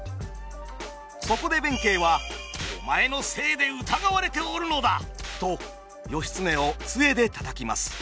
そこで弁慶は「お前のせいで疑われておるのだ！」と義経を杖で叩きます。